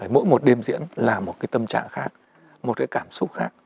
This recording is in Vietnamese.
mỗi một đêm diễn là một cái tâm trạng khác một cái cảm xúc khác